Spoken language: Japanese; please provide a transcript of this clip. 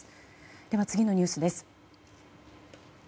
では次のニュースです。